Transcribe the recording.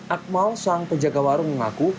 akmal sang penjaga warung mengaku